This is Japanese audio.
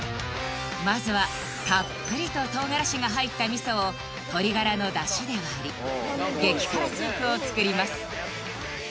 まずはたっぷりと唐辛子が入った味噌を鶏ガラの出汁で割り激辛スープを作ります